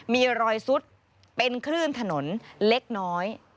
มีรอยซุดเป็นคลื่นถนนเล็กน้อย